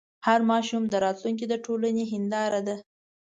هر ماشوم د راتلونکي د ټولنې هنداره ده.